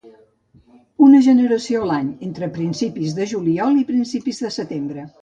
Una generació a l'any, entre principis de juliol i principis de setembre.